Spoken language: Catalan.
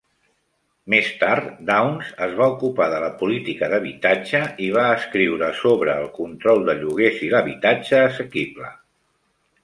Més tard, Downs es va ocupar de la política d'habitatge i va escriure sobre el control de lloguers i l'habitatge assequible.